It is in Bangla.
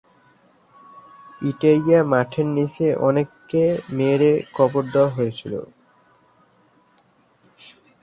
পিটিআই মাঠের নিচে অনেককে মেরে কবর দেওয়া হয়েছিল।